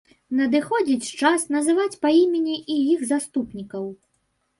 Надыходзіць час называць па імені і іх заступнікаў.